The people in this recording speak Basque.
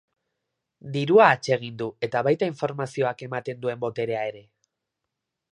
Dirua atsegin du, eta baita informazioak ematen duen boterea ere.